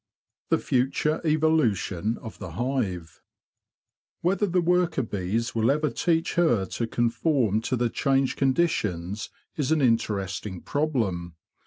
The Future Evolution of the Hive Whether the worker bees will ever teach her to conform to the changed conditions is an interesting problem.